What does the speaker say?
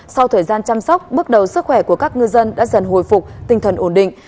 sau thời gian chăm sóc bước đầu sức khỏe của các ngư dân đã dần hồi phục tinh thần ổn định